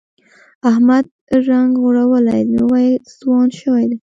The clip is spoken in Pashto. احمد رنګ غوړولی، نوی ځوان شوی دی.